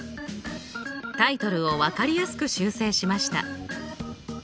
タイトルを分かりやすく修正しました。